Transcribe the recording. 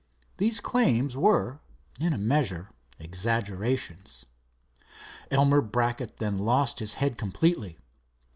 These claims were, in a measure, exaggerations. Elmer Brackett then lost his head completely.